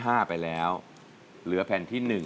ตัดสินใจให้ดี